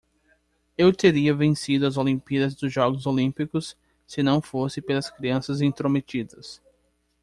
Eu teria vencido as Olimpíadas dos Jogos Olímpicos se não fosse pelas crianças intrometidas.